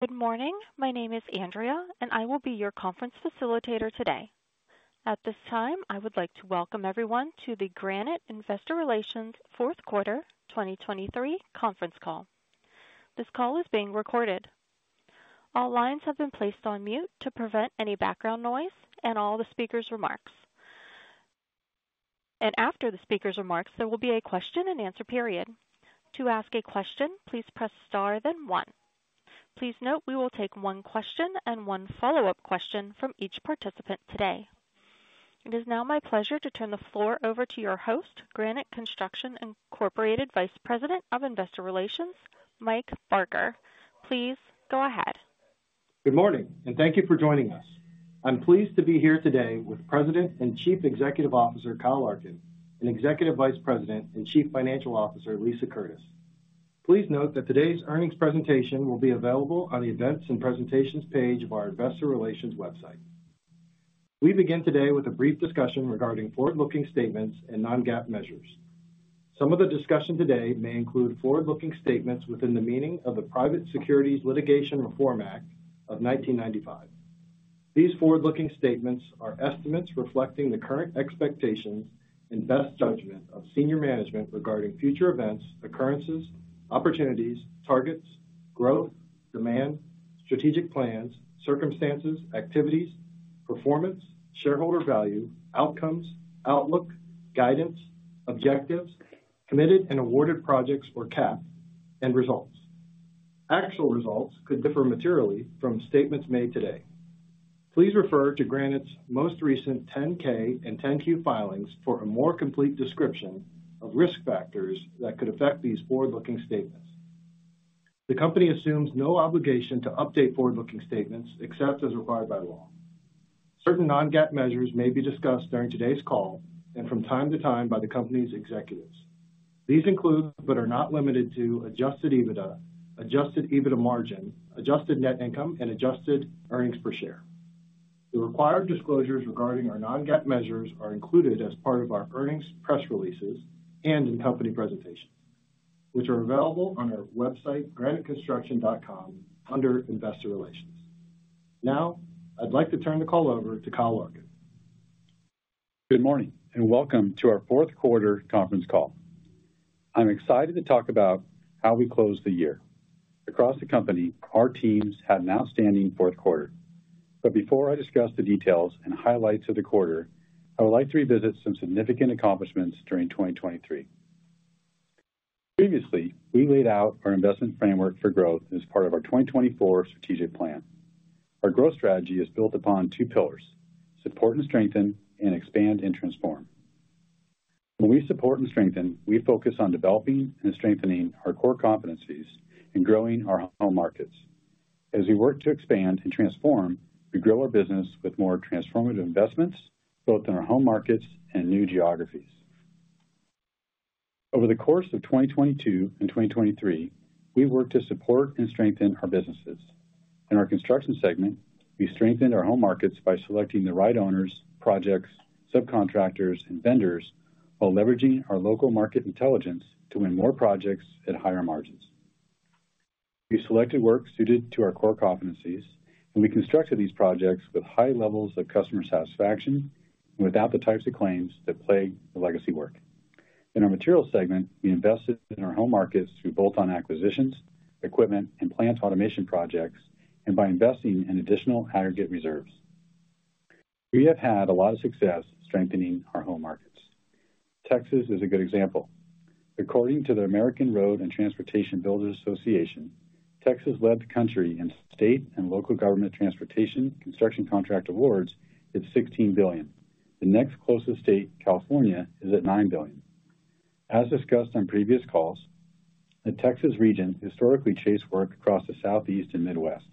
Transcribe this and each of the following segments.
Good morning. My name is Andrea, and I will be your conference facilitator today. At this time, I would like to welcome everyone to the Granite Investor Relations Fourth Quarter 2023 conference call. This call is being recorded. All lines have been placed on mute to prevent any background noise and all the speaker's remarks. After the speaker's remarks, there will be a question-and-answer period. To ask a question, please press Star then One. Please note, we will take one question and one follow-up question from each participant today. It is now my pleasure to turn the floor over to your host, Granite Construction Incorporated Vice President of Investor Relations, Mike Barker. Please go ahead. Good morning, and thank you for joining us. I'm pleased to be here today with President and Chief Executive Officer, Kyle Larkin, and Executive Vice President and Chief Financial Officer, Lisa Curtis. Please note that today's earnings presentation will be available on the Events and Presentations page of our Investor Relations website. We begin today with a brief discussion regarding forward-looking statements and non-GAAP measures. Some of the discussion today may include forward-looking statements within the meaning of the Private Securities Litigation Reform Act of 1995. These forward-looking statements are estimates reflecting the current expectations and best judgment of senior management regarding future events, occurrences, opportunities, targets, growth, demand, strategic plans, circumstances, activities, performance, shareholder value, outcomes, outlook, guidance, objectives, committed and awarded projects or CAP, and results. Actual results could differ materially from statements made today. Please refer to Granite's most recent 10-K and 10-Q filings for a more complete description of risk factors that could affect these forward-looking statements. The company assumes no obligation to update forward-looking statements except as required by law. Certain non-GAAP measures may be discussed during today's call and from time to time by the company's executives. These include, but are not limited to, Adjusted EBITDA, Adjusted EBITDA margin, Adjusted Net Income, and Adjusted Earnings Per Share. The required disclosures regarding our non-GAAP measures are included as part of our earnings press releases and in company presentation, which are available on our website, graniteconstruction.com, under Investor Relations. Now, I'd like to turn the call over to Kyle Larkin. Good morning, and welcome to our fourth quarter conference call. I'm excited to talk about how we closed the year. Across the company, our teams had an outstanding fourth quarter. But before I discuss the details and highlights of the quarter, I would like to revisit some significant accomplishments during 2023. Previously, we laid out our investment framework for growth as part of our 2024 strategic plan. Our growth strategy is built upon two pillars: support and strengthen and expand and transform. When we support and strengthen, we focus on developing and strengthening our core competencies in growing our home markets. As we work to expand and transform, we grow our business with more transformative investments, both in our home markets and new geographies. Over the course of 2022 and 2023, we worked to support and strengthen our businesses. In our construction segment, we strengthened our home markets by selecting the right owners, projects, subcontractors, and vendors, while leveraging our local market intelligence to win more projects at higher margins. We selected work suited to our core competencies, and we constructed these projects with high levels of customer satisfaction without the types of claims that plague the legacy work. In our materials segment, we invested in our home markets through bolt-on acquisitions, equipment, and plant automation projects, and by investing in additional aggregate reserves. We have had a lot of success strengthening our home markets. Texas is a good example. According to the American Road and Transportation Builders Association, Texas led the country in state and local government transportation construction contract awards at $16 billion. The next closest state, California, is at $9 billion. As discussed on previous calls, the Texas region historically chased work across the Southeast and Midwest.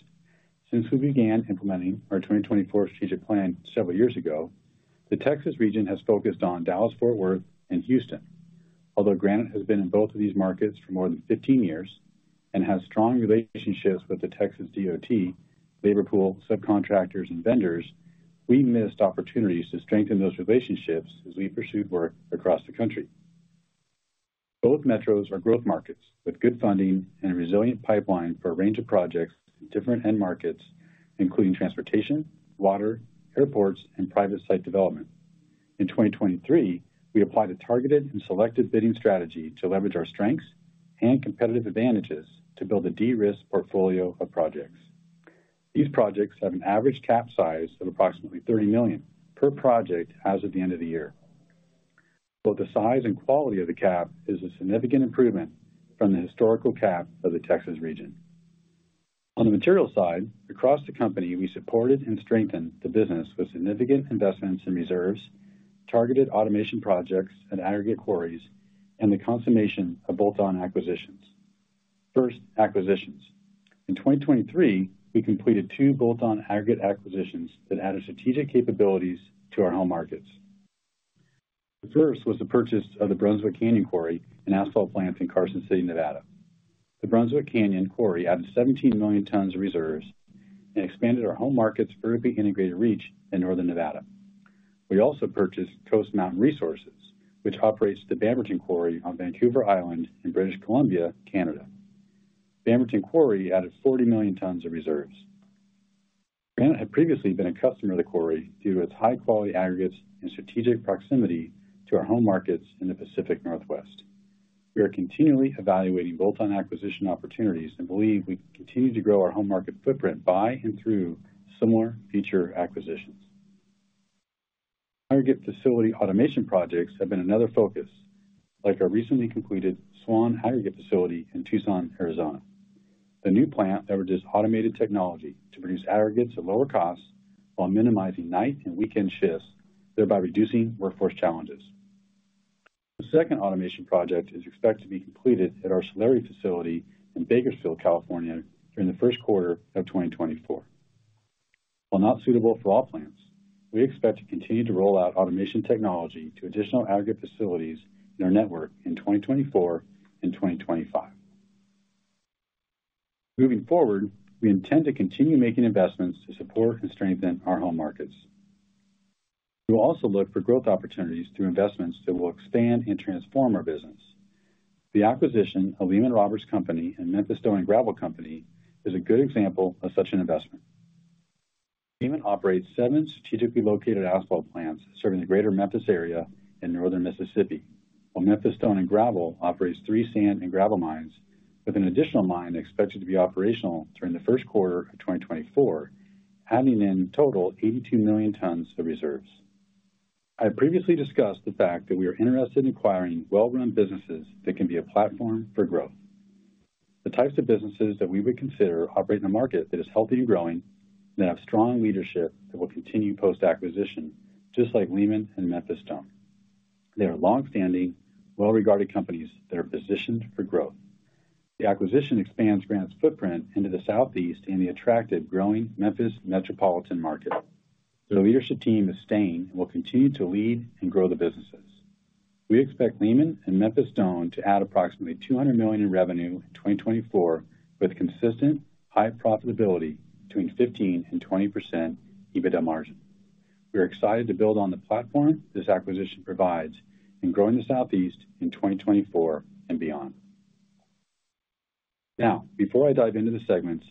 Since we began implementing our 2024 strategic plan several years ago, the Texas region has focused on Dallas-Fort Worth and Houston. Although Granite has been in both of these markets for more than 15 years and has strong relationships with the Texas DOT, labor pool, subcontractors, and vendors, we missed opportunities to strengthen those relationships as we pursued work across the country. Both metros are growth markets with good funding and a resilient pipeline for a range of projects in different end markets, including transportation, water, airports, and private site development. In 2023, we applied a targeted and selected bidding strategy to leverage our strengths and competitive advantages to build a de-risk portfolio of projects. These projects have an average CAP size of approximately $30 million per project as of the end of the year. Both the size and quality of the CAP is a significant improvement from the historical CAP of the Texas region. On the material side, across the company, we supported and strengthened the business with significant investments in reserves, targeted automation projects and aggregate quarries, and the consummation of bolt-on acquisitions. First, acquisitions. In 2023, we completed 2 bolt-on aggregate acquisitions that added strategic capabilities to our home markets. The first was the purchase of the Brunswick Canyon Quarry and Asphalt Plant in Carson City, Nevada. The Brunswick Canyon Quarry added 17 million tons of reserves and expanded our home market's vertically integrated reach in northern Nevada. We also purchased Coast Mountain Resources, which operates the Bamberton Quarry on Vancouver Island in British Columbia, Canada. Bamberton Quarry added 40 million tons of reserves. Granite had previously been a customer of the quarry due to its high-quality aggregates and strategic proximity to our home markets in the Pacific Northwest. We are continually evaluating bolt-on acquisition opportunities and believe we can continue to grow our home market footprint by and through similar future acquisitions. Aggregate facility automation projects have been another focus, like our recently completed Swan Aggregate Facility in Tucson, Arizona. The new plant leverages automated technology to produce aggregates at lower costs while minimizing night and weekend shifts, thereby reducing workforce challenges. The second automation project is expected to be completed at our Solari facility in Bakersfield, California, during the first quarter of 2024. While not suitable for all plants, we expect to continue to roll out automation technology to additional aggregate facilities in our network in 2024 and 2025. Moving forward, we intend to continue making investments to support and strengthen our home markets. We'll also look for growth opportunities through investments that will expand and transform our business. The acquisition of Lehman-Roberts Company and Memphis Stone & Gravel Company is a good example of such an investment. Lehman-Roberts operates 7 strategically located asphalt plants serving the Greater Memphis area in northern Mississippi, while Memphis Stone & Gravel operates 3 sand and gravel mines, with an additional mine expected to be operational during the first quarter of 2024, adding in total 82 million tons of reserves. I have previously discussed the fact that we are interested in acquiring well-run businesses that can be a platform for growth. The types of businesses that we would consider operate in a market that is healthy and growing, and that have strong leadership that will continue post-acquisition, just like Lehman and Memphis Stone. They are longstanding, well-regarded companies that are positioned for growth. The acquisition expands Granite's footprint into the Southeast and the attractive, growing Memphis metropolitan market. The leadership team is staying and will continue to lead and grow the businesses. We expect Lehman and Memphis Stone to add approximately $200 million in revenue in 2024, with consistent high profitability between 15% and 20% EBITDA margin. We are excited to build on the platform this acquisition provides in growing the Southeast in 2024 and beyond. Now, before I dive into the segments,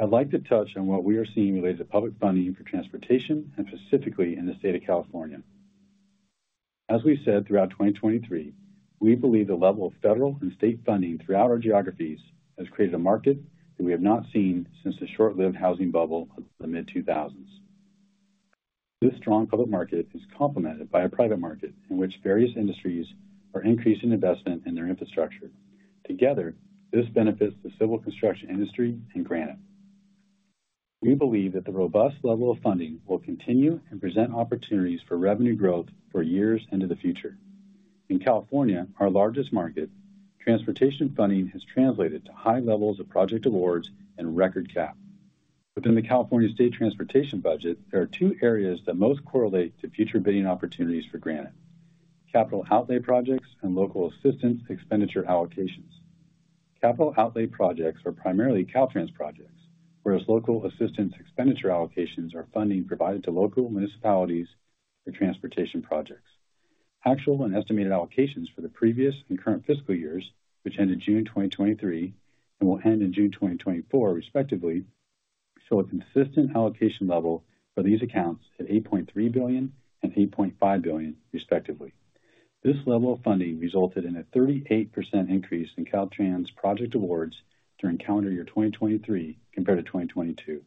I'd like to touch on what we are seeing related to public funding for transportation, and specifically in the state of California. As we said, throughout 2023, we believe the level of federal and state funding throughout our geographies has created a market that we have not seen since the short-lived housing bubble of the mid-2000s. This strong public market is complemented by a private market in which various industries are increasing investment in their infrastructure. Together, this benefits the civil construction industry and Granite. We believe that the robust level of funding will continue and present opportunities for revenue growth for years into the future. In California, our largest market, transportation funding has translated to high levels of project awards and record CAP. Within the California State Transportation budget, there are two areas that most correlate to future bidding opportunities for Granite: Capital Outlay projects and Local Assistance expenditure allocations. Capital Outlay projects are primarily Caltrans projects, whereas Local Assistance expenditure allocations are funding provided to local municipalities for transportation projects. Actual and estimated allocations for the previous and current fiscal years, which ended June 2023 and will end in June 2024, respectively, show a consistent allocation level for these accounts at $8.3 billion and $8.5 billion, respectively. This level of funding resulted in a 38% increase in Caltrans project awards during calendar year 2023 compared to 2022.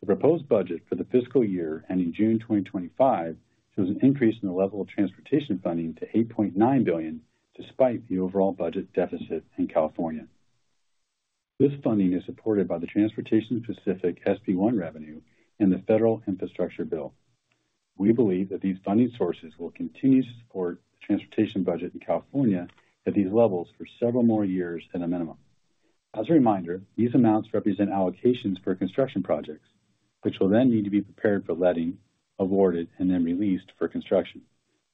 The proposed budget for the fiscal year ending June 2025 shows an increase in the level of transportation funding to $8.9 billion, despite the overall budget deficit in California. This funding is supported by the transportation-specific SB1 revenue and the Federal Infrastructure Bill. We believe that these funding sources will continue to support the transportation budget in California at these levels for several more years at a minimum. As a reminder, these amounts represent allocations for construction projects, which will then need to be prepared for letting, awarded, and then released for construction.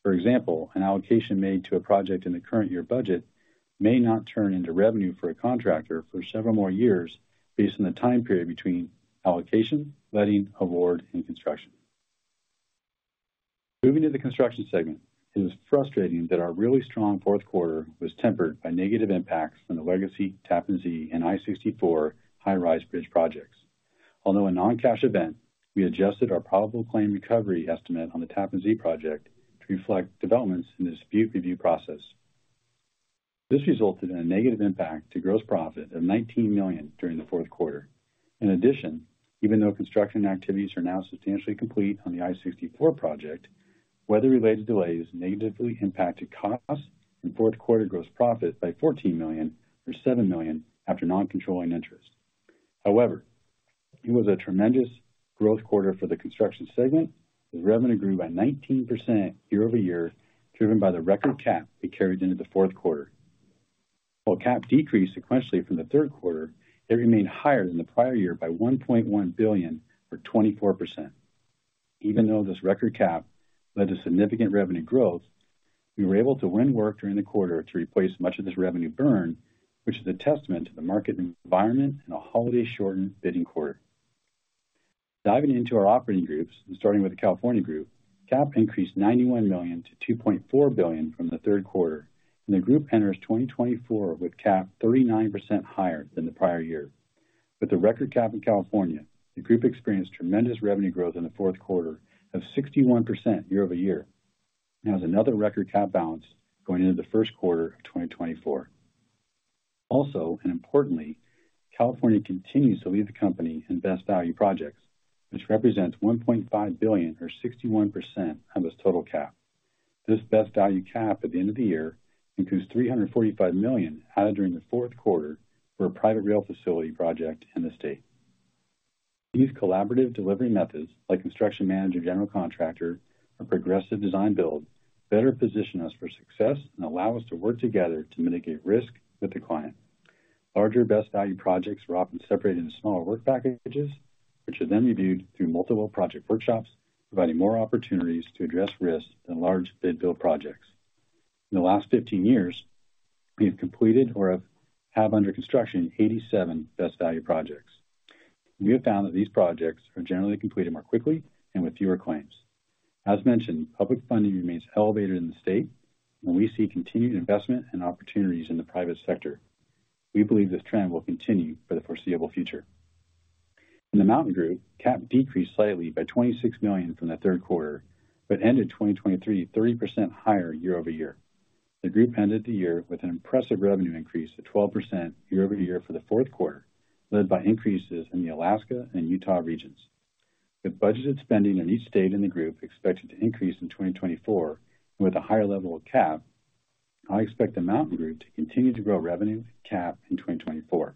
For example, an allocation made to a project in the current year budget may not turn into revenue for a contractor for several more years, based on the time period between allocation, letting, award, and construction. Moving to the construction segment, it is frustrating that our really strong fourth quarter was tempered by negative impacts from the Legacy Tappan Zee and I-64 High-Rise Bridge projects. Although a non-cash event, we adjusted our probable claim recovery estimate on the Tappan Zee project to reflect developments in the dispute review process. This resulted in a negative impact to gross profit of $19 million during the fourth quarter. In addition, even though construction activities are now substantially complete on the I-64 project, weather-related delays negatively impacted costs and fourth quarter gross profit by $14 million, or $7 million after non-controlling interest. However, it was a tremendous growth quarter for the construction segment, as revenue grew by 19% year-over-year, driven by the record CAP we carried into the fourth quarter. While CAP decreased sequentially from the third quarter, it remained higher than the prior year by $1.1 billion, or 24%. Even though this record CAP led to significant revenue growth, we were able to win work during the quarter to replace much of this revenue burn, which is a testament to the market environment and a holiday-shortened bidding quarter. Diving into our operating groups and starting with the California group, CAP increased $91 million to $2.4 billion from the third quarter, and the group enters 2024 with CAP 39% higher than the prior year. With a record CAP in California, the group experienced tremendous revenue growth in the fourth quarter of 61% year over year, and has another record CAP balance going into the first quarter of 2024. Also, and importantly, California continues to lead the company in Best Value projects, which represents $1.5 billion or 61% of its total CAP. This Best Value CAP at the end of the year includes $345 million added during the fourth quarter for a private rail facility project in the state. These collaborative delivery methods, like Construction Manager/General Contractor or Progressive Design Build, better position us for success and allow us to work together to mitigate risk with the client. Larger Best Value projects are often separated into smaller work packages, which are then reviewed through multiple project workshops, providing more opportunities to address risks than large bid build projects. In the last 15 years, we have completed or have under construction 87 Best Value projects. We have found that these projects are generally completed more quickly and with fewer claims. As mentioned, public funding remains elevated in the state, and we see continued investment and opportunities in the private sector. We believe this trend will continue for the foreseeable future. In the Mountain Group, CAP decreased slightly by $26 million from the third quarter, but ended 2023 30% higher year-over-year. The group ended the year with an impressive revenue increase of 12% year-over-year for the fourth quarter, led by increases in the Alaska and Utah regions. With budgeted spending in each state in the group expected to increase in 2024 with a higher level of CAP, I expect the Mountain Group to continue to grow revenue CAP in 2024.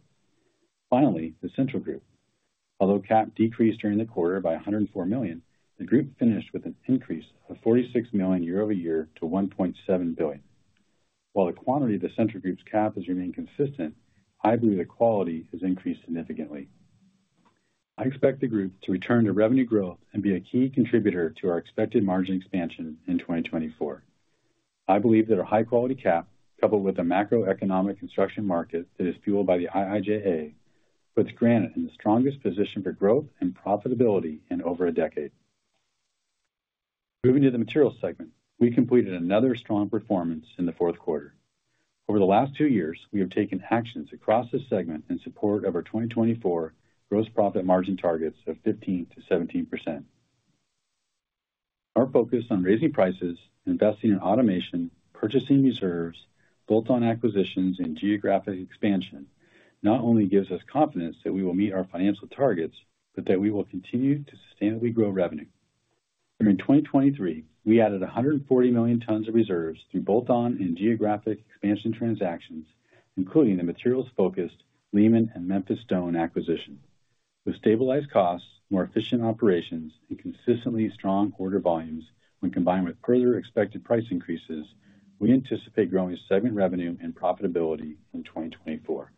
Finally, the Central Group. Although CAP decreased during the quarter by $104 million, the group finished with an increase of $46 million year-over-year to $1.7 billion. While the quantity of the Central Group's CAP has remained consistent, I believe the quality has increased significantly. I expect the group to return to revenue growth and be a key contributor to our expected margin expansion in 2024. I believe that our high-quality CAP, coupled with the macroeconomic construction market that is fueled by the IIJA, puts Granite in the strongest position for growth and profitability in over a decade. Moving to the Materials segment. We completed another strong performance in the fourth quarter. Over the last two years, we have taken actions across this segment in support of our 2024 gross profit margin targets of 15%-17%. Our focus on raising prices, investing in automation, purchasing reserves, bolt-on acquisitions, and geographic expansion not only gives us confidence that we will meet our financial targets, but that we will continue to sustainably grow revenue. During 2023, we added 140 million tons of reserves through bolt-on and geographic expansion transactions, including the materials-focused Lehman-Roberts and Memphis Stone & Gravel acquisition. With stabilized costs, more efficient operations, and consistently strong order volumes, when combined with further expected price increases, we anticipate growing segment revenue and profitability in 2024.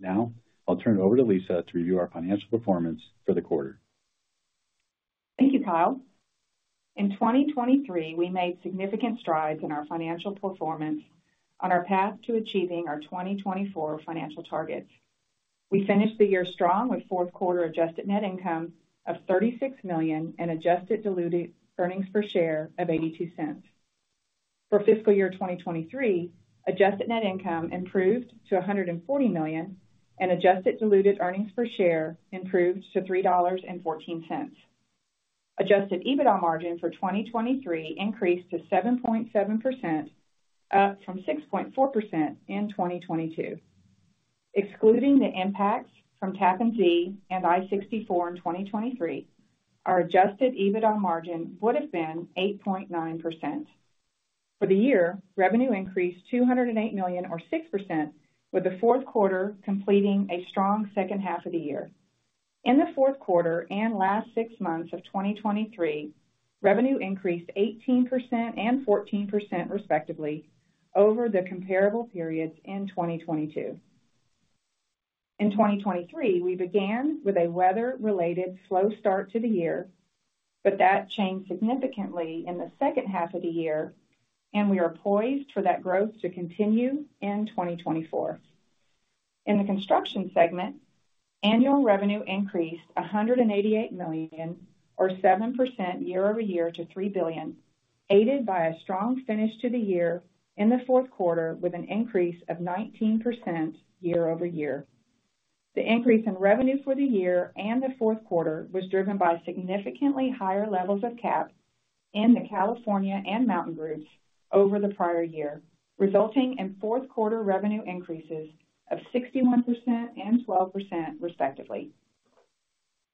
Now, I'll turn it over to Lisa to review our financial performance for the quarter. Thank you, Kyle. In 2023, we made significant strides in our financial performance on our path to achieving our 2024 financial targets. We finished the year strong with fourth quarter Adjusted Net Income of $36 million and Adjusted Diluted Earnings Per Share of $0.82. For fiscal year 2023, Adjusted Net Income improved to $140 million, and Adjusted Diluted Earnings Per Share improved to $3.14. Adjusted EBITDA margin for 2023 increased to 7.7%, up from 6.4% in 2022. Excluding the impacts from Tappan Zee and I-64 in 2023, our adjusted EBITDA margin would have been 8.9%. For the year, revenue increased $208 million, or 6%, with the fourth quarter completing a strong second half of the year. In the fourth quarter and last six months of 2023, revenue increased 18% and 14%, respectively, over the comparable periods in 2022. In 2023, we began with a weather-related slow start to the year, but that changed significantly in the second half of the year, and we are poised for that growth to continue in 2024. In the construction segment, annual revenue increased $188 million, or 7% year-over-year to $3 billion, aided by a strong finish to the year in the fourth quarter with an increase of 19% year-over-year. The increase in revenue for the year and the fourth quarter was driven by significantly higher levels of CAP in the California and Mountain groups over the prior year, resulting in fourth quarter revenue increases of 61% and 12%, respectively.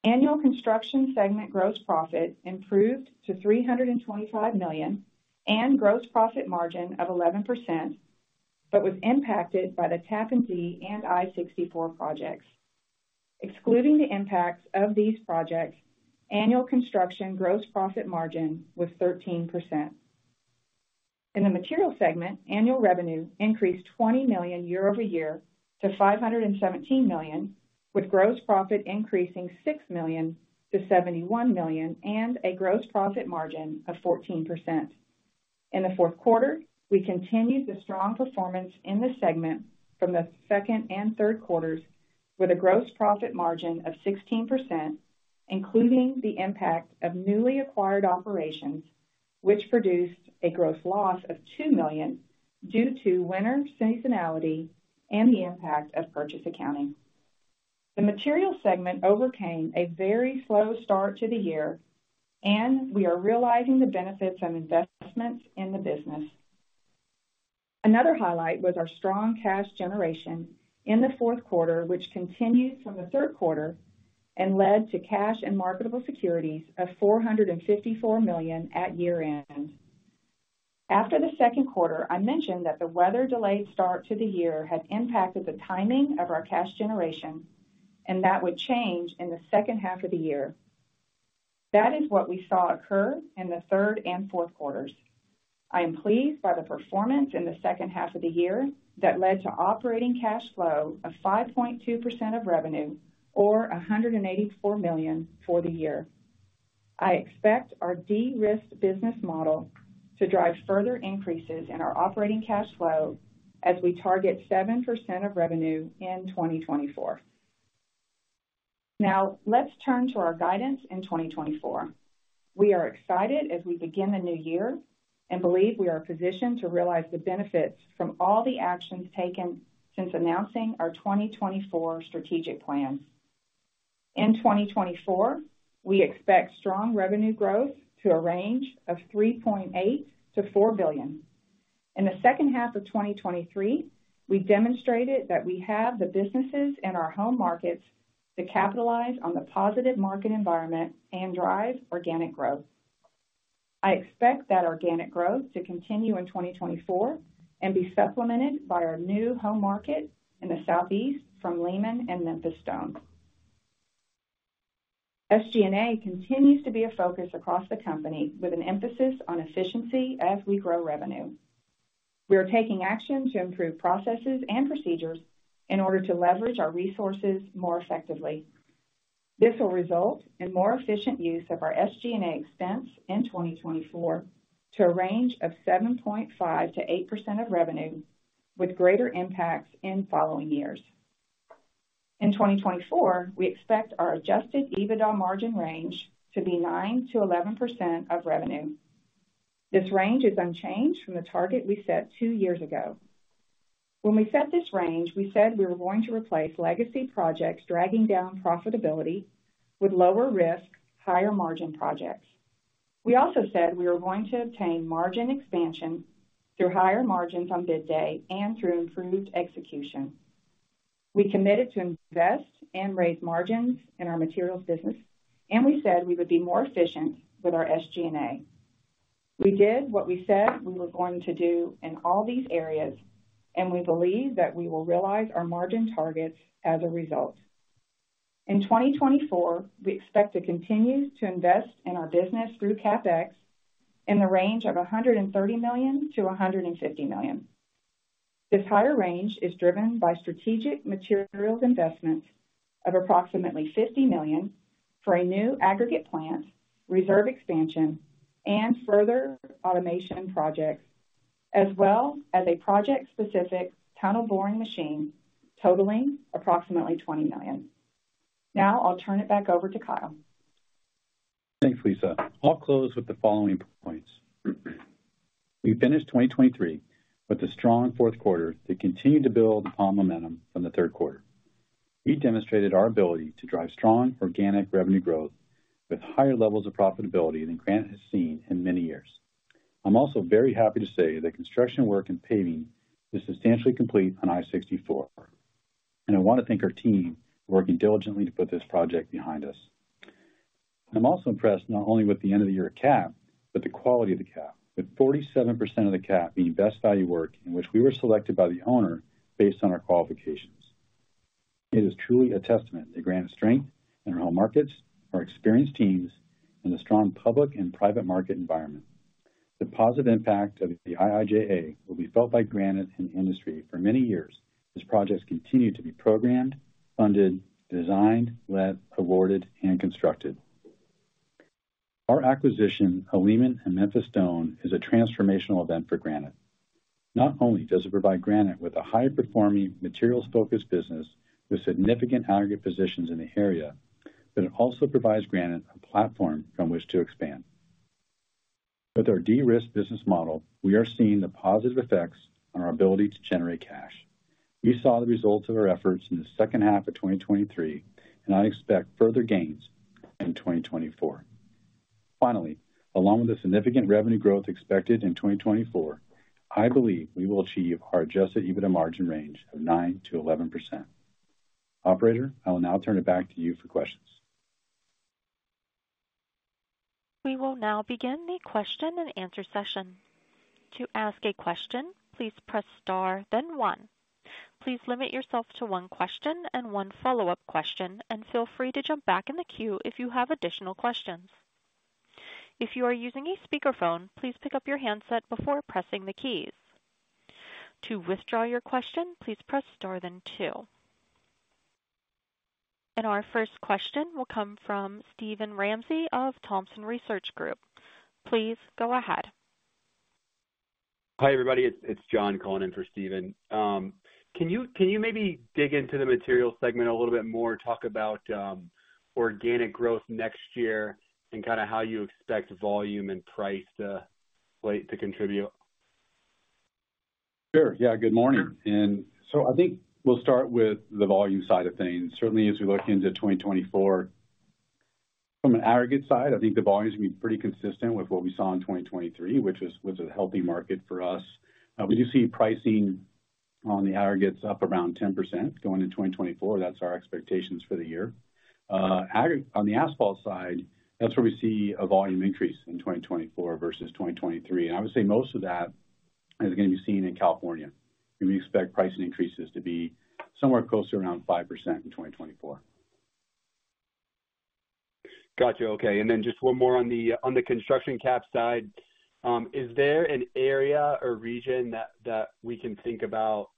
Annual construction segment gross profit improved to $325 million and gross profit margin of 11%, but was impacted by the Tappan Zee and I-64 projects. Excluding the impacts of these projects, annual construction gross profit margin was 13%. In the materials segment, annual revenue increased $20 million year-over-year to $517 million, with gross profit increasing $6 million to $71 million, and a gross profit margin of 14%.... In the fourth quarter, we continued the strong performance in this segment from the second and third quarters, with a gross profit margin of 16%, including the impact of newly acquired operations, which produced a gross loss of $2 million due to winter seasonality and the impact of purchase accounting. The materials segment overcame a very slow start to the year, and we are realizing the benefits of investments in the business. Another highlight was our strong cash generation in the fourth quarter, which continued from the third quarter and led to cash and marketable securities of $454 million at year-end. After the second quarter, I mentioned that the weather-delayed start to the year had impacted the timing of our cash generation, and that would change in the second half of the year. That is what we saw occur in the third and fourth quarters. I am pleased by the performance in the second half of the year that led to operating cash flow of 5.2% of revenue, or $184 million for the year. I expect our de-risked business model to drive further increases in our operating cash flow as we target 7% of revenue in 2024. Now, let's turn to our guidance in 2024. We are excited as we begin the new year and believe we are positioned to realize the benefits from all the actions taken since announcing our 2024 strategic plan. In 2024, we expect strong revenue growth to a range of $3.8 billion-$4 billion. In the second half of 2023, we demonstrated that we have the businesses in our home markets to capitalize on the positive market environment and drive organic growth. I expect that organic growth to continue in 2024 and be supplemented by our new home market in the Southeast from Lehman and Memphis Stone. SG&A continues to be a focus across the company, with an emphasis on efficiency as we grow revenue. We are taking action to improve processes and procedures in order to leverage our resources more effectively. This will result in more efficient use of our SG&A expense in 2024 to a range of 7.5%-8% of revenue, with greater impacts in following years. In 2024, we expect our Adjusted EBITDA margin range to be 9%-11% of revenue. This range is unchanged from the target we set two years ago. When we set this range, we said we were going to replace legacy projects, dragging down profitability with lower risk, higher margin projects. We also said we were going to obtain margin expansion through higher margins on bid day and through improved execution. We committed to invest and raise margins in our materials business, and we said we would be more efficient with our SG&A. We did what we said we were going to do in all these areas, and we believe that we will realize our margin targets as a result. In 2024, we expect to continue to invest in our business through CapEx in the range of $130 million-$150 million. This higher range is driven by strategic materials investments of approximately $50 million for a new aggregate plant, reserve expansion, and further automation projects, as well as a project-specific tunnel boring machine, totaling approximately $20 million. Now, I'll turn it back over to Kyle. Thanks, Lisa. I'll close with the following points. We finished 2023 with a strong fourth quarter that continued to build on momentum from the third quarter. We demonstrated our ability to drive strong organic revenue growth with higher levels of profitability than Granite has seen in many years. I'm also very happy to say that construction work and paving is substantially complete on I-64, and I want to thank our team for working diligently to put this project behind us. I'm also impressed not only with the end-of-the-year CAP, but the quality of the CAP, with 47% of the CAP being Best Value work, in which we were selected by the owner based on our qualifications. It is truly a testament to Granite's strength in our home markets, our experienced teams, and a strong public and private market environment. The positive impact of the IIJA will be felt by Granite and industry for many years, as projects continue to be programmed, funded, designed, led, awarded, and constructed. Our acquisition of Lehman and Memphis Stone is a transformational event for Granite. Not only does it provide Granite with a high-performing, materials-focused business with significant aggregate positions in the area, but it also provides Granite a platform from which to expand. With our de-risked business model, we are seeing the positive effects on our ability to generate cash. We saw the results of our efforts in the second half of 2023, and I expect further gains in 2024. Finally, along with the significant revenue growth expected in 2024, I believe we will achieve our Adjusted EBITDA margin range of 9%-11%. Operator, I will now turn it back to you for questions. We will now begin the question and answer session. To ask a question, please press star, then one. Please limit yourself to one question and one follow-up question, and feel free to jump back in the queue if you have additional questions. If you are using a speakerphone, please pick up your handset before pressing the keys. To withdraw your question, please press star, then two.... Our first question will come from Steven Ramsey of Thompson Research Group. Please go ahead. Hi, everybody. It's John calling in for Steven. Can you maybe dig into the material segment a little bit more, talk about organic growth next year and kind of how you expect volume and price to contribute? Sure. Yeah, good morning. So I think we'll start with the volume side of things. Certainly, as we look into 2024, from an aggregate side, I think the volume is going to be pretty consistent with what we saw in 2023, which was a healthy market for us. We do see pricing on the aggregates up around 10% going into 2024. That's our expectations for the year. On the asphalt side, that's where we see a volume increase in 2024 versus 2023, and I would say most of that is going to be seen in California, and we expect pricing increases to be somewhere close to around 5% in 2024. Got you. Okay, and then just one more on the construction CAP side. Is there an area or region that we can think about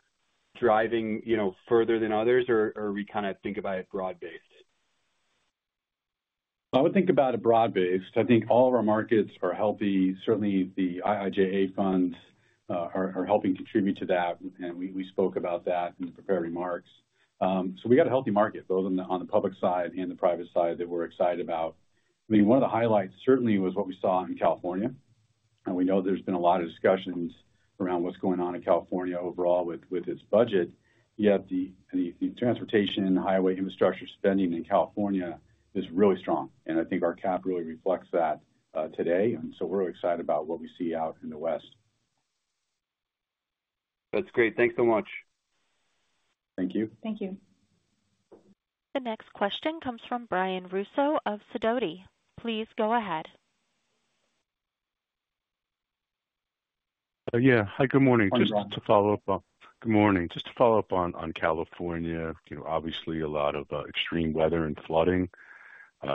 driving, you know, further than others, or we kind of think about it broad-based? I would think about it broad-based. I think all of our markets are healthy. Certainly, the IIJA funds are helping contribute to that, and we spoke about that in the prepared remarks. So we got a healthy market, both on the public side and the private side, that we're excited about. I mean, one of the highlights certainly was what we saw in California, and we know there's been a lot of discussions around what's going on in California overall with its budget. Yet the transportation and highway infrastructure spending in California is really strong, and I think our CAP really reflects that today, and so we're really excited about what we see out in the West. That's great. Thanks so much. Thank you. Thank you. The next question comes from Brian Russo of Sidoti. Please go ahead. Yeah. Hi, good morning. Hi, Brian. Just to follow up on... Good morning. Just to follow up on California. You know, obviously a lot of extreme weather and flooding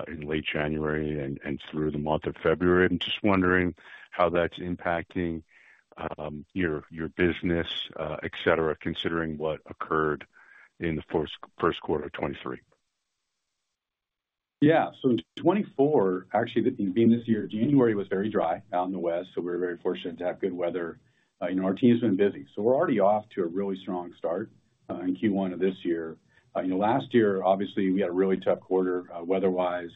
in late January and through the month of February. I'm just wondering how that's impacting your business, et cetera, considering what occurred in the first quarter of 2023. Yeah. So in 2024, actually, the beginning of this year, January was very dry out in the west, so we're very fortunate to have good weather. You know, our team has been busy, so we're already off to a really strong start in Q1 of this year. You know, last year, obviously, we had a really tough quarter weather-wise.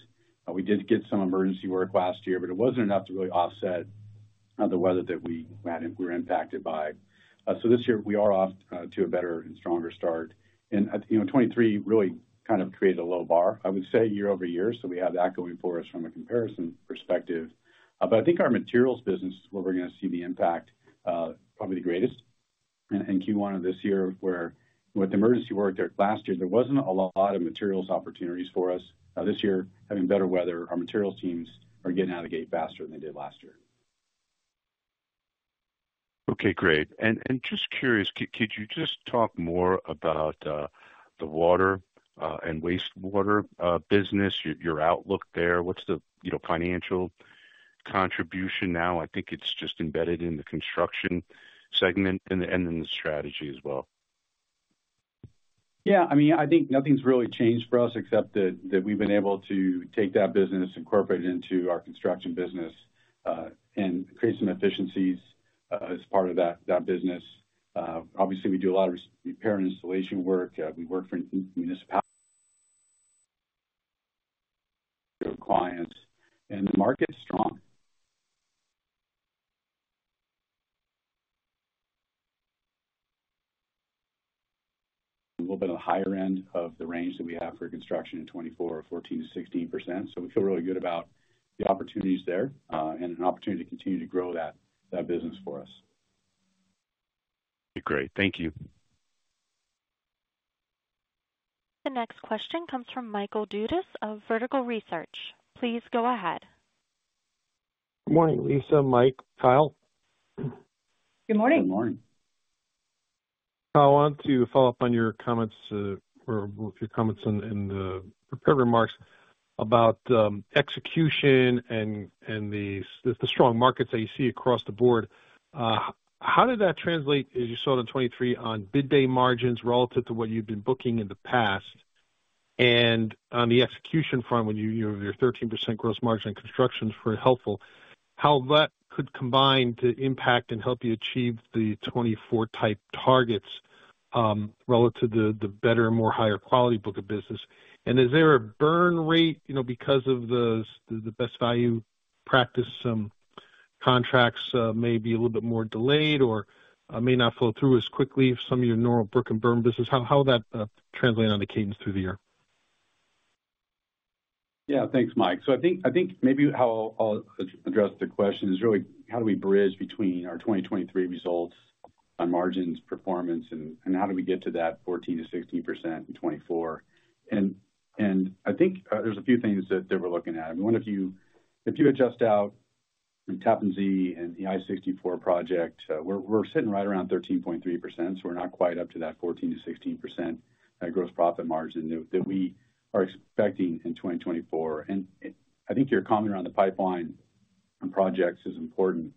We did get some emergency work last year, but it wasn't enough to really offset the weather that we had and we were impacted by. So this year we are off to a better and stronger start. And, you know, 2023 really kind of created a low bar, I would say, year over year, so we have that going for us from a comparison perspective. But I think our materials business is where we're going to see the impact probably the greatest. In Q1 of this year, where with the emergency work there last year, there wasn't a lot of materials opportunities for us. This year, having better weather, our materials teams are getting out of the gate faster than they did last year. Okay, great. And just curious, could you just talk more about the water and wastewater business, your outlook there? What's the, you know, financial contribution now? I think it's just embedded in the construction segment and then the strategy as well. Yeah, I mean, I think nothing's really changed for us except that, that we've been able to take that business, incorporate it into our construction business, and create some efficiencies, as part of that, that business. Obviously, we do a lot of repair and installation work. We work for municipal clients, and the market is strong. A little bit on the higher end of the range that we have for construction in 2024, 14%-16%. So we feel really good about the opportunities there, and an opportunity to continue to grow that, that business for us. Great. Thank you. The next question comes from Michael Dudas of Vertical Research. Please go ahead. Good morning, Lisa, Mike, Kyle. Good morning. Good morning. I want to follow up on your comments in the prepared remarks about execution and the strong markets that you see across the board. How did that translate, as you saw in 2023, on bid day margins relative to what you'd been booking in the past? And on the execution front, when you, you know, your 13% gross margin construction is very helpful, how that could combine to impact and help you achieve the 2024 type targets, relative to the better, more higher quality book of business. And is there a burn rate, you know, because of the Best Value practice contracts may be a little bit more delayed or may not flow through as quickly as some of your normal brick-and-burn business? How will that translate on the cadence through the year? Yeah, thanks, Mike. So I think, I think maybe how I'll address the question is really how do we bridge between our 2023 results on margins, performance, and, and how do we get to that 14%-16% in 2024? And, and I think, there's a few things that, that we're looking at. One, if you, if you adjust out the Tappan Zee and the I-64 project, we're, we're sitting right around 13.3%, so we're not quite up to that 14%-16%, gross profit margin that, that we are expecting in 2024. And I think your comment around the pipeline on projects is important,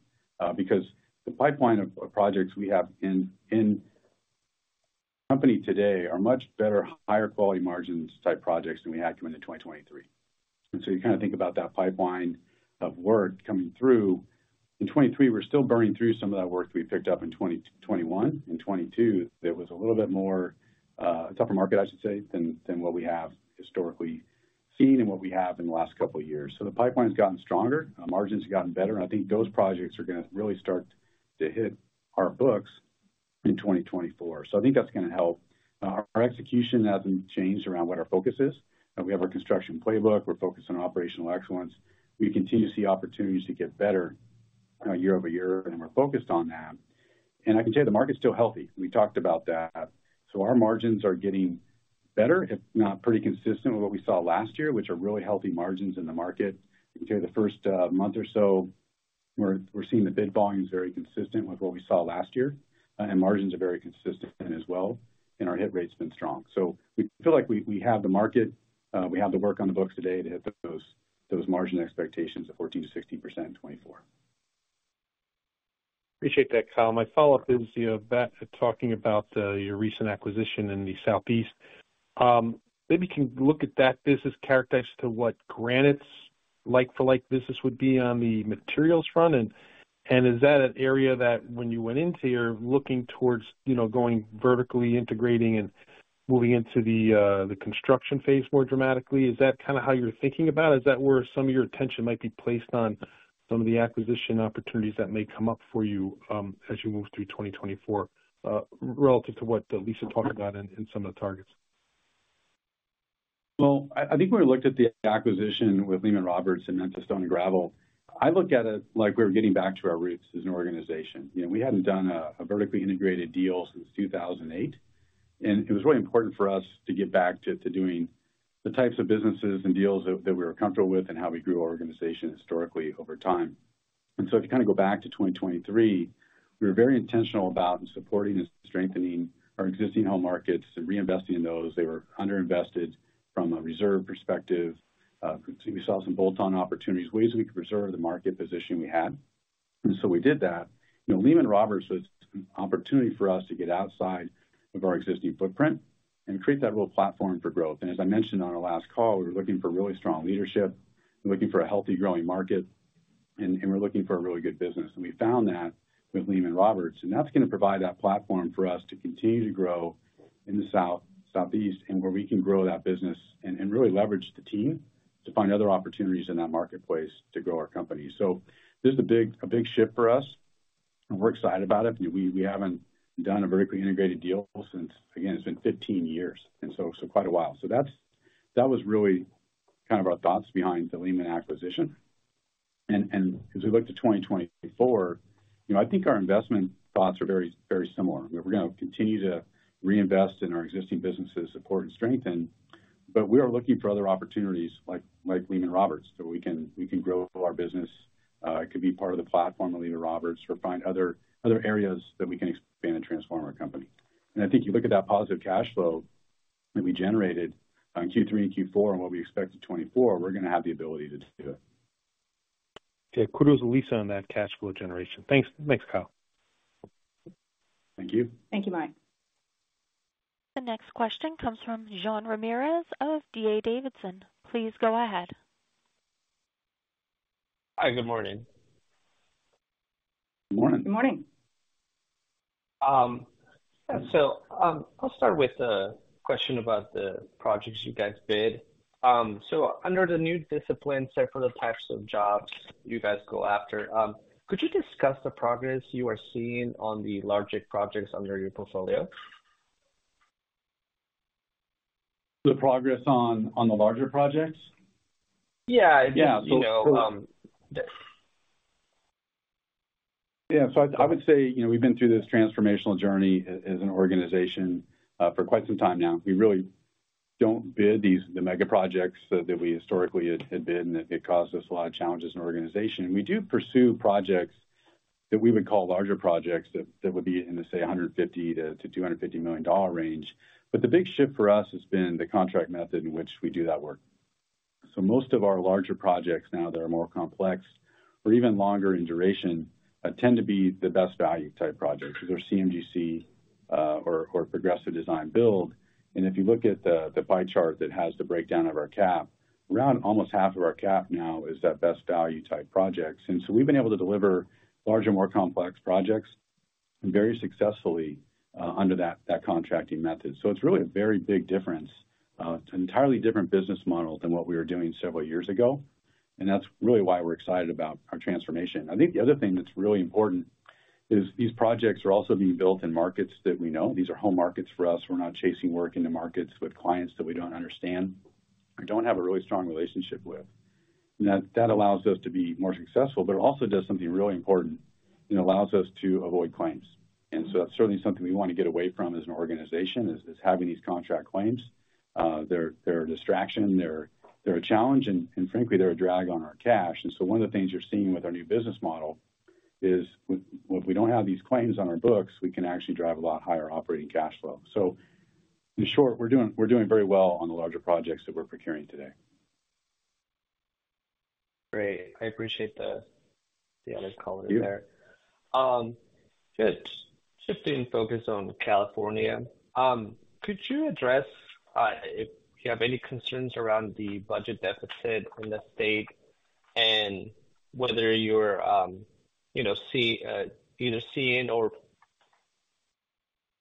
because the pipeline of, of projects we have in, in the company today are much better, higher quality margins type projects than we had coming to 2023. So you kind of think about that pipeline of work coming through. In 2023, we're still burning through some of that work we picked up in 2021 and 2022. There was a little bit more, tougher market, I should say, than what we have historically seen and what we have in the last couple of years. So the pipeline has gotten stronger, our margins have gotten better, and I think those projects are going to really start to hit our books in 2024. So I think that's going to help. Our execution hasn't changed around what our focus is. We have our construction playbook. We're focused on operational excellence. We continue to see opportunities to get better, year-over-year, and we're focused on that. And I can tell you the market's still healthy. We talked about that. So our margins are getting better, if not pretty consistent with what we saw last year, which are really healthy margins in the market. I can tell you, the first month or so, we're seeing the bid volumes very consistent with what we saw last year, and margins are very consistent as well, and our hit rate's been strong. So we feel like we have the market, we have the work on the books today to hit those margin expectations of 14%-16% in 2024. Appreciate that, Kyle. My follow-up is, you know, back to talking about your recent acquisition in the Southeast. Maybe you can look at that business characterized to what Granite's like-for-like business would be on the materials front, and, and is that an area that when you went into you're looking towards, you know, going vertically integrating and moving into the construction phase more dramatically? Is that kind of how you're thinking about it? Is that where some of your attention might be placed on some of the acquisition opportunities that may come up for you, as you move through 2024, relative to what Lisa talked about in, in some of the targets? Well, I, I think when we looked at the acquisition with Lehman-Roberts and then to Stone and Gravel, I look at it like we were getting back to our roots as an organization. You know, we hadn't done a, a vertically integrated deal since 2008, and it was really important for us to get back to, to doing the types of businesses and deals that, that we were comfortable with and how we grew our organization historically over time. And so if you kind of go back to 2023, we were very intentional about supporting and strengthening our existing home markets and reinvesting in those. They were underinvested from a reserve perspective. We saw some bolt-on opportunities, ways we could preserve the market position we had, and so we did that. You know, Lehman-Roberts was an opportunity for us to get outside of our existing footprint and create that real platform for growth. And as I mentioned on our last call, we were looking for really strong leadership, we're looking for a healthy growing market, and, and we're looking for a really good business. And we found that with Lehman-Roberts, and that's going to provide that platform for us to continue to grow in the South, Southeast, and where we can grow that business and, and really leverage the team to find other opportunities in that marketplace to grow our company. So this is a big, a big shift for us, and we're excited about it. We, we haven't done a vertically integrated deal since... Again, it's been 15 years, and so, so quite a while. So that's, that was really kind of our thoughts behind the Lehman-Roberts acquisition. As we look to 2024, you know, I think our investment thoughts are very, very similar. We're going to continue to reinvest in our existing businesses, support and strengthen, but we are looking for other opportunities like, like Lehman Roberts, so we can, we can grow our business. It could be part of the platform of Lehman Roberts or find other, other areas that we can expand and transform our company. And I think you look at that positive cash flow that we generated on Q3 and Q4 and what we expect in 2024, we're going to have the ability to do it. Okay. Kudos to Lisa on that cash flow generation. Thanks. Thanks, Kyle. Thank you. Thank you, Mike. The next question comes from Jean Ramirez of D.A. Davidson. Please go ahead. Hi, good morning. Good morning. Good morning. I'll start with a question about the projects you guys bid. Under the new discipline, say, for the types of jobs you guys go after, could you discuss the progress you are seeing on the larger projects under your portfolio? The progress on the larger projects? Yeah. Yeah. You know, Yeah. So I would say, you know, we've been through this transformational journey as an organization for quite some time now. We really don't bid the mega projects that we historically had bid, and it caused us a lot of challenges in our organization. We do pursue projects that we would call larger projects that would be in the, say, $150 million-$250 million range. But the big shift for us has been the contract method in which we do that work. So most of our larger projects now that are more complex or even longer in duration tend to be the best value type projects. They're CMGC or progressive design build. If you look at the pie chart that has the breakdown of our CAP, around almost half of our CAP now is that Best Value type projects. So we've been able to deliver larger, more complex projects very successfully under that contracting method. So it's really a very big difference. It's an entirely different business model than what we were doing several years ago, and that's really why we're excited about our transformation. I think the other thing that's really important is these projects are also being built in markets that we know. These are home markets for us. We're not chasing work into markets with clients that we don't understand or don't have a really strong relationship with. That allows us to be more successful, but it also does something really important: it allows us to avoid claims. And so that's certainly something we want to get away from as an organization: having these contract claims. They're a distraction, they're a challenge, and frankly, they're a drag on our cash. And so one of the things you're seeing with our new business model is: if we don't have these claims on our books, we can actually drive a lot higher operating cash flow. So, in short, we're doing very well on the larger projects that we're procuring today. Great. I appreciate the other color there. Just, shifting focus on California, could you address if you have any concerns around the budget deficit in the state and whether you're, you know, either seeing or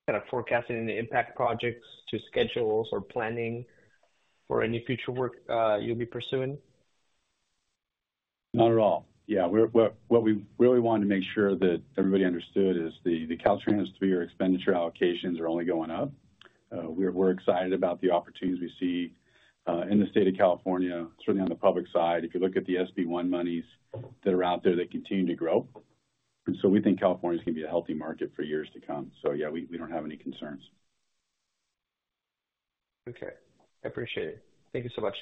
kind of forecasting the impact projects to schedules or planning for any future work you'll be pursuing? Not at all. Yeah, what we really wanted to make sure that everybody understood is the Caltrans three-year expenditure allocations are only going up. We're excited about the opportunities we see in the state of California, certainly on the public side. If you look at the SB1 monies that are out there, they continue to grow. And so we think California is going to be a healthy market for years to come. So yeah, we don't have any concerns. Okay, I appreciate it. Thank you so much.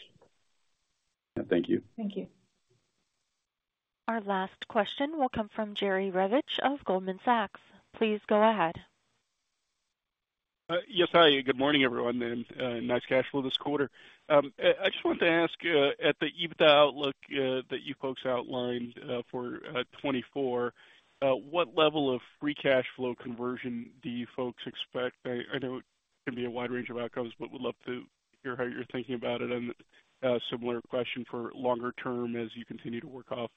Thank you. Thank you. Our last question will come from Jerry Revich of Goldman Sachs. Please go ahead. Yes, hi, good morning, everyone, and nice cash flow this quarter. I just wanted to ask at the EBITDA outlook that you folks outlined for 2024, what level of free cash flow conversion do you folks expect? I know it can be a wide range of outcomes, but would love to hear how you're thinking about it. And similar question for longer term as you continue to work off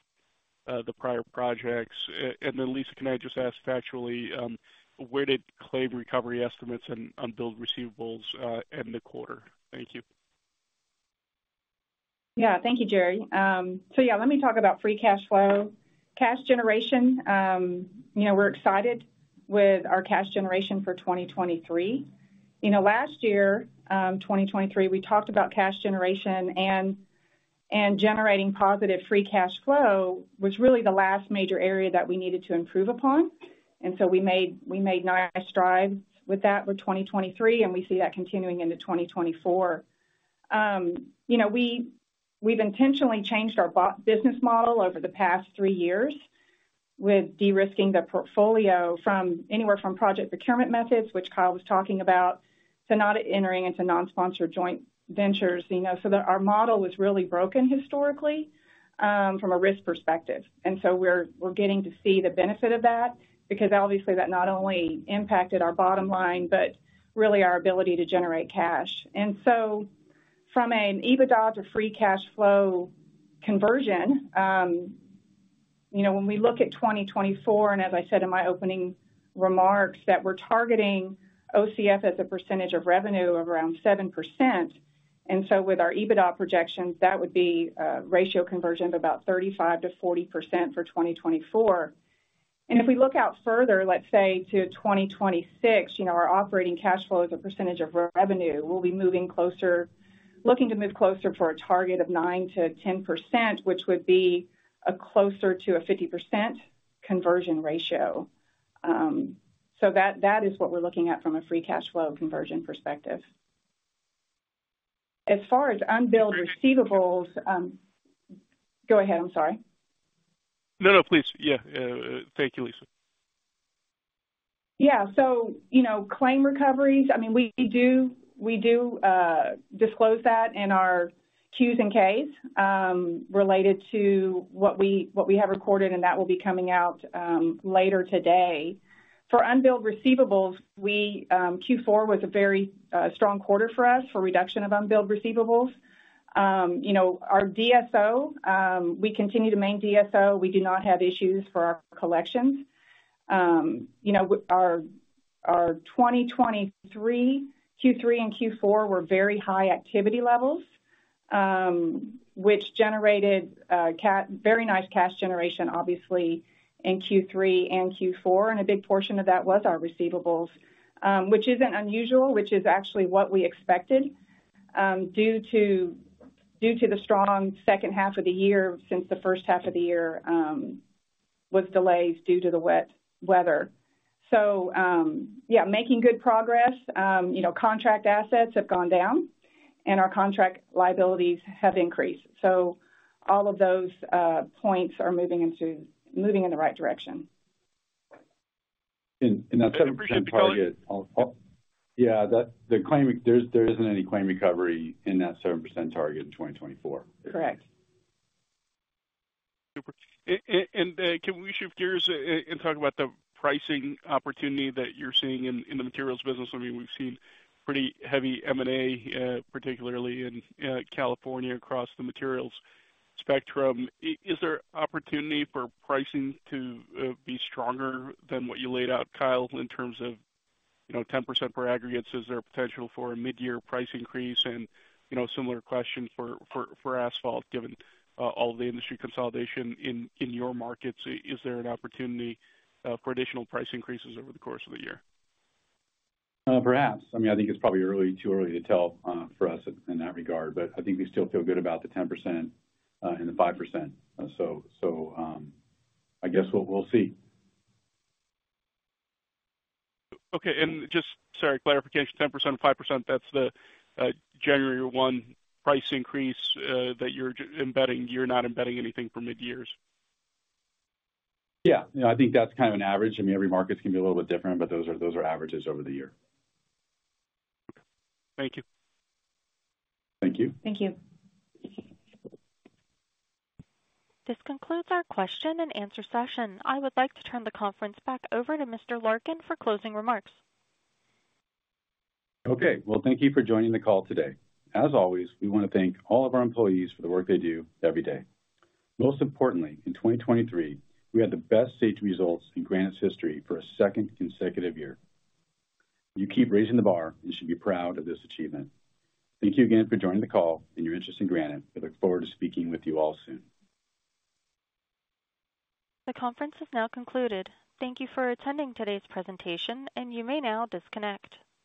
the prior projects. And then, Lisa, can I just ask factually, where did claim recovery estimates on billed receivables end the quarter? Thank you. Yeah. Thank you, Jerry. So yeah, let me talk about free cash flow. Cash generation, you know, we're excited with our cash generation for 2023. You know, last year, 2023, we talked about cash generation and generating positive free cash flow, was really the last major area that we needed to improve upon. And so we made nice strides with that for 2023, and we see that continuing into 2024. You know, we've intentionally changed our business model over the past three years with de-risking the portfolio from anywhere from project procurement methods, which Kyle was talking about, to not entering into non-sponsor joint ventures. You know, so our model was really broken historically, from a risk perspective, and so we're getting to see the benefit of that because obviously, that not only impacted our bottom line, but really our ability to generate cash. And so from an EBITDA to free cash flow conversion, you know, when we look at 2024, and as I said in my opening remarks, that we're targeting OCF as a percentage of revenue of around 7%. And so with our EBITDA projections, that would be a ratio conversion of about 35%-40% for 2024. And if we look out further, let's say, to 2026, you know, our operating cash flow as a percentage of revenue, we'll be moving closer, looking to move closer to a target of 9%-10%, which would be closer to a 50% conversion ratio. So that is what we're looking at from a free cash flow conversion perspective. As far as unbilled receivables, go ahead, I'm sorry. No, no, please. Yeah, thank you, Lisa. Yeah, so, you know, claim recoveries, I mean, we do, we do, disclose that in our Qs and Ks, related to what we, what we have recorded, and that will be coming out, later today. For unbilled receivables, we, Q4 was a very, strong quarter for us for reduction of unbilled receivables. You know, our DSO, we continue to maintain DSO. We do not have issues for our collections. You know, our, our 2023, Q3 and Q4 were very high activity levels, which generated, very nice cash generation, obviously, in Q3 and Q4. A big portion of that was our receivables, which isn't unusual, which is actually what we expected, due to the strong second half of the year since the first half of the year was delayed due to the wet weather. Yeah, making good progress. You know, contract assets have gone down, and our contract liabilities have increased. All of those points are moving in the right direction. That 7% target- I appreciate you. Yeah, the claim, there isn't any claim recovery in that 7% target in 2024? Correct. Super. And can we shift gears and talk about the pricing opportunity that you're seeing in the materials business? I mean, we've seen pretty heavy M&A, particularly in California, across the materials spectrum. Is there opportunity for pricing to be stronger than what you laid out, Kyle, in terms of, you know, 10% for aggregates? Is there a potential for a mid-year price increase? And, you know, similar question for asphalt, given all the industry consolidation in your markets, is there an opportunity for additional price increases over the course of the year? Perhaps. I mean, I think it's probably early, too early to tell, for us in that regard, but I think we still feel good about the 10%, and the 5%. So, I guess we'll see. Okay, and just, sorry, clarification, 10% and 5%, that's the January 1 price increase that you're embedding. You're not embedding anything for mid-years? Yeah. You know, I think that's kind of an average. I mean, every market is going to be a little bit different, but those are, those are averages over the year. Thank you. Thank you. Thank you. This concludes our question and answer session. I would like to turn the conference back over to Mr. Larkin for closing remarks. Okay. Well, thank you for joining the call today. As always, we want to thank all of our employees for the work they do every day. Most importantly, in 2023, we had the best stage results in Granite's history for a second consecutive year. You keep raising the bar and should be proud of this achievement. Thank you again for joining the call and your interest in Granite. We look forward to speaking with you all soon. The conference is now concluded. Thank you for attending today's presentation, and you may now disconnect.